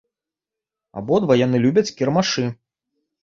Абодва яны любяць кірмашы.